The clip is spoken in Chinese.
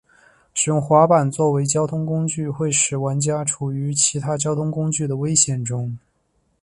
使用滑板作为交通工具会使玩家处于其他交通工具的危险中。